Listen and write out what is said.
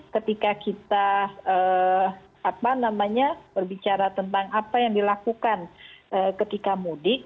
ketika kita berbicara tentang apa yang dilakukan ketika mudik